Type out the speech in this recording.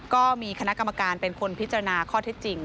ก็มีคณะกรรมการเป็นคนพิจารณาข้อเท็จจริง